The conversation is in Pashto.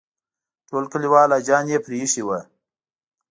ټول کلیوال حاجیان یې پرې ایښي وو.